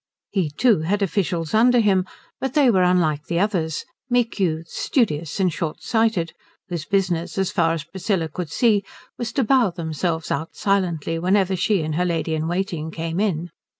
He too had officials under him, but they were unlike the others: meek youths, studious and short sighted, whose business as far as Priscilla could see was to bow themselves out silently whenever she and her lady in waiting came in.